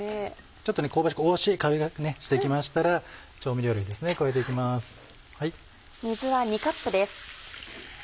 ちょっと香ばしくおいしい香りがしてきましたら調味料類ですね加えていきます。